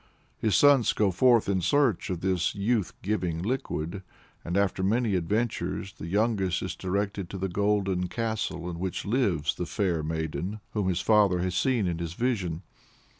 His sons go forth in search of this youth giving liquid, and, after many adventures, the youngest is directed to the golden castle in which lives the "fair maiden," whom his father has seen in his vision.